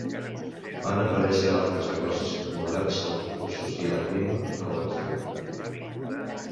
Van aparèixer altres negocis, acomodats als recursos i al clima de la regió.